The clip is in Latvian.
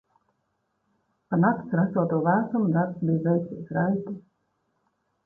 Pa nakts rasoto vēsumu darbs bija veicies raiti.